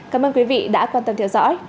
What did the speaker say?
cảm ơn quý vị đã quan tâm theo dõi